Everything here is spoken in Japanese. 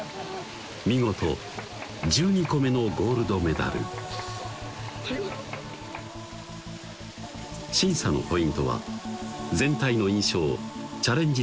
見事１２個目のゴールドメダル審査のポイントは全体の印象チャレンジ